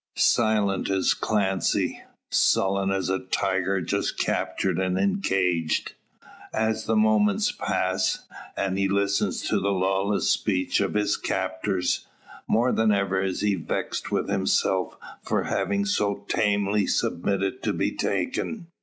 Silent is Clancy, sullen as a tiger just captured and encaged. As the moments pass, and he listens to the lawless speech of his captors, more than ever is he vexed with himself for having so tamely submitted to be taken.